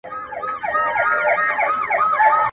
خیر محمد ته د موټر د هارن غږ ډېر نږدې اورېدل کېده.